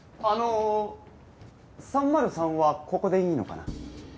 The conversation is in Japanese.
あの３０３はここでいいのかな？